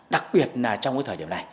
đặc biệt là trong thời điểm này